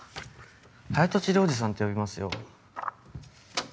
早とちりおじさんって呼びますよ。